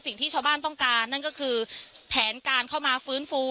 สิ่งที่ชาวบ้านต้องการนั่นก็คือแผนการเข้ามาฟื้นฟู